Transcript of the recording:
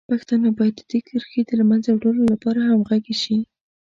پښتانه باید د دې کرښې د له منځه وړلو لپاره همغږي شي.